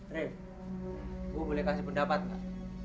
reh gue boleh kasih pendapat gak